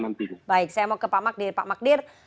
nantinya baik saya mau ke pak magdiel pak magdiel